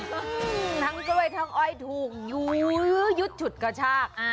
ทั้งกล้วยทั้งอ้อยถูกยุ้ยยุดฉุดกระชาก